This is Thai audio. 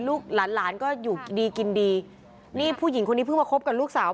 ลูกหลานหลานก็อยู่ดีกินดีนี่ผู้หญิงคนนี้เพิ่งมาคบกับลูกสาว